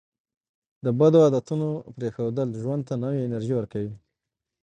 د بدو عادتونو پرېښودل ژوند ته نوې انرژي ورکوي.